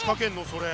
それ。